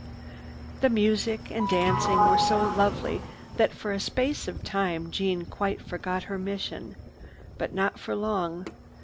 The music and dancing were so lovely that for a space of time Jeanne quite forgot her mission. But not for long.